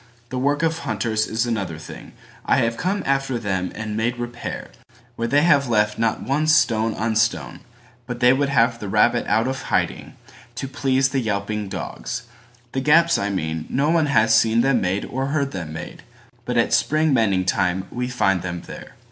The work of hunters is another thing:I have come after them and made repairWhere they have left not one stone on stone, But they would have the rabbit out of hiding, To please the yelping dogs. The gaps I mean, No one has seen them made or heard them made, But at spring mending time we find them there.